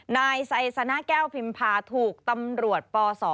นายไซสนะแก้วพิมพาถูกตำรวจปศ